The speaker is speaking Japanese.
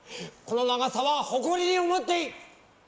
この長さはほこりにおもっていい！